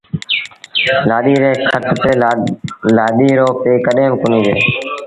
لآڏي ريٚ کٽ تي لآڏي رو پي ڪڏهين با ڪونهيٚ ويه